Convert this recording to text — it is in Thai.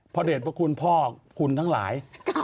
พอเดตว่าคุณพ่อคุณทั้งหลาย